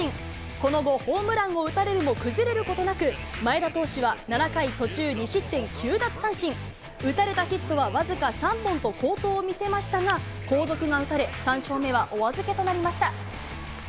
この後、ホームランを打たれるも崩れることなく、前田投手は７回途中２失点９奪三振、打たれたヒットは僅か３本と好投を見せましたが、後続が打たれ、３勝目はお預けとなりました。